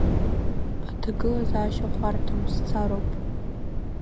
Аҭагылазаашьа хәарҭам, сцароуп…